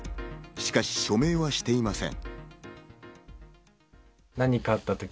しかし、署名はしていません。